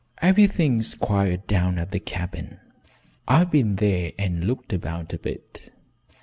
"Everything's quiet down at the cabin. I've been there and looked about a bit.